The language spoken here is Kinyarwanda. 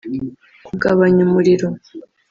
Kugabanya umuriro